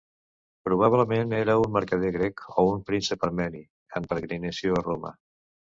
Probablement era un mercader grec, o un príncep armeni en peregrinació a Roma.